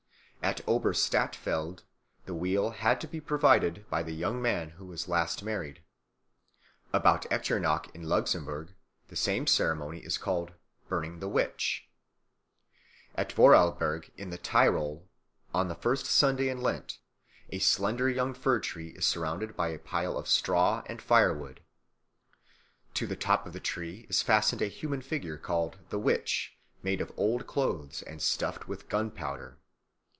At Oberstattfeld the wheel had to be provided by the young man who was last married. About Echternach in Luxemburg the same ceremony is called "burning the witch." At Voralberg in the Tyrol, on the first Sunday in Lent, a slender young fir tree is surrounded with a pile of straw and firewood. To the top of the tree is fastened a human figure called the "witch," made of old clothes and stuffed with gunpowder.